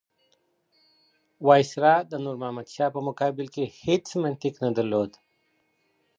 وایسرا د نور محمد شاه په مقابل کې هېڅ منطق نه درلود.